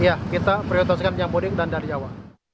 iya kita prioritaskan jabodeng dan dari jawa